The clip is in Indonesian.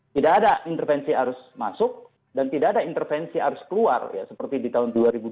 tidak ada intervensi arus masuk dan tidak ada intervensi arus keluar seperti di tahun dua ribu dua puluh